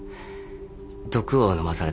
毒を飲まされたって。